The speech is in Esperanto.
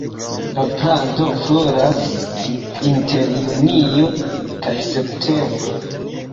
La planto floras inter junio kaj septembro.